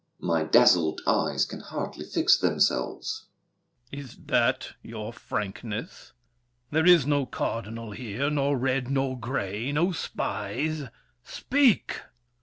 My dazzled eyes Can hardly fix themselves— THE KING. Is that your frankness? There is no cardinal here, nor red, nor gray! No spies! Speak!